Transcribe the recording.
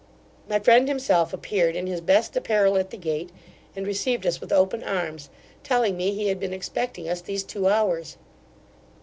My friend himself appeared in his best apparel at the gate, and received us with open arms, telling me he had been expecting us these two hours.